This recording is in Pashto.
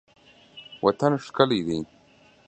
وطن ښکلی دی.